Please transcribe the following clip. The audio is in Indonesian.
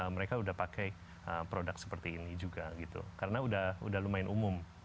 mereka udah pakai produk seperti ini juga gitu karena udah lumayan umum